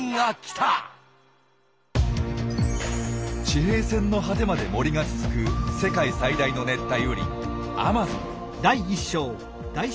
地平線の果てまで森が続く世界最大の熱帯雨林アマゾン。